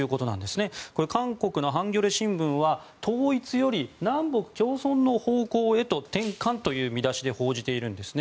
韓国のハンギョレ新聞は統一より南北共存の方向へ転換という見出しで報じているんですね。